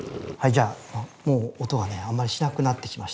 じゃあもう音がねあんまりしなくなってきました。